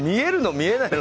見えないの？